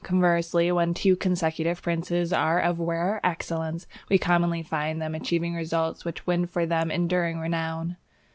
Conversely, when two consecutive princes are of rare excellence, we commonly find them achieving results which win for them enduring renown.